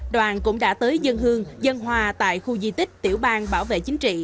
đoàn cũng đã tới dân hương dân hòa tại khu di tích tiểu bang bảo vệ chính trị